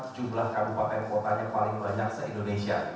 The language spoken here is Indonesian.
jumlah kabupaten kotanya paling banyak se indonesia